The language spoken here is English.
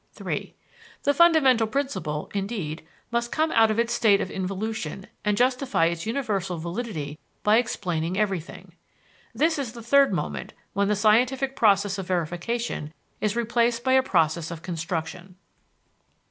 (3) The fundamental principle, indeed, must come out of its state of involution and justify its universal validity by explaining everything. This is the third moment, when the scientific process of verification is replaced by a process of construction.